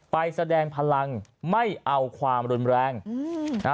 แสดงพลังไม่เอาความรุนแรงอืมนะฮะ